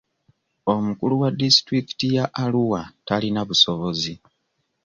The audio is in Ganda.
Omukulu wa disitulikiti ya Arua talina busobozi.